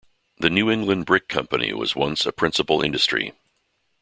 The New England Brick Company was once a principal industry.